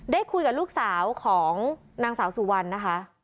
ได้คุยกับลูกสาวของนางสาวสุวรรณนะคะ